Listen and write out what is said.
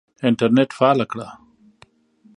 انټرنېټ فعاله کړه !